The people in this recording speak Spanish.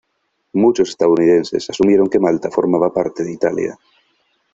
Muchos estadounidenses asumieron que Malta formaba parte de Italia.